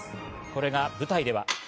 これが舞台では。